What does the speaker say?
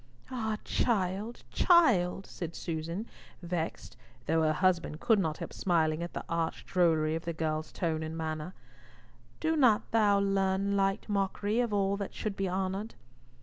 "Ah, child, child!" said Susan, vexed, though her husband could not help smiling at the arch drollery of the girl's tone and manner, "do not thou learn light mockery of all that should be honoured."